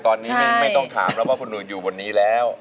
ตอนนี้ไม่ต้องถามว่าคุณหนุอยู่บนนี้แล้ว